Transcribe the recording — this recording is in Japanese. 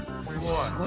すごい！